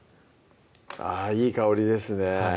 あぁいい香りですね